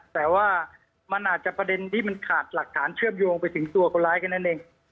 แต่ว่ามันอาจจะประเด็นที่มันขาดหลักฐานเชื่อมโยงไปถึงตัวคนร้ายแค่นั้นเอง